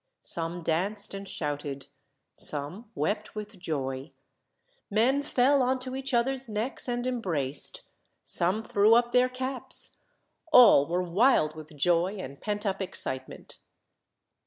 Some danced and shouted. Some wept with joy. Men fell on to each other's necks, and embraced. Some threw up their caps. All were wild with joy, and pent up excitement.